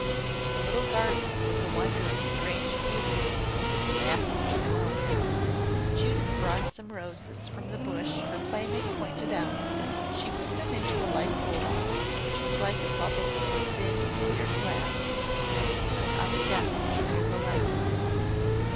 The little garden was a wonder of strange beauty with its masses of flowers. Judith brought some roses from the bush her playmate pointed out. She put them into a light bowl which was like a bubble of thin, clear glass and stood on the desk near the letter.